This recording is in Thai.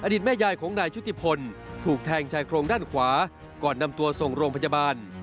แม่ยายของนายชุติพลถูกแทงชายโครงด้านขวาก่อนนำตัวส่งโรงพยาบาล